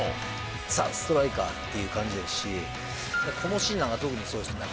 ザ・ストライカーという感じですし、このシーンなんかは特にそうです。